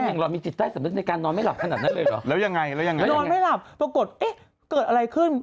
มันยังมีจิตใจสำนึกในการนอนไม่หลับขนาดนั้นเลยเหรอ